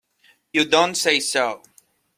You don't say so!